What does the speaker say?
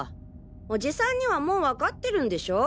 おじさんにはもうわかってるんでしょ？